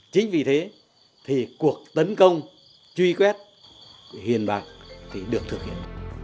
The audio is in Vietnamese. chính vì thế thì cuộc tấn công truy quét hiền bạc thì được thực hiện